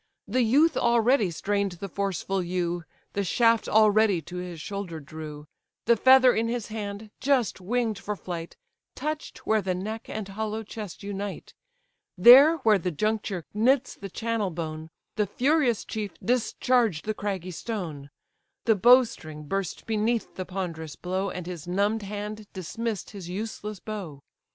The youth already strain'd the forceful yew; The shaft already to his shoulder drew; The feather in his hand, just wing'd for flight, Touch'd where the neck and hollow chest unite; There, where the juncture knits the channel bone, The furious chief discharged the craggy stone: The bow string burst beneath the ponderous blow, And his numb'd hand dismiss'd his useless bow.